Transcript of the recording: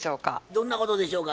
どんなことでしょうか？